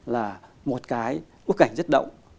là một cái bức ảnh rất động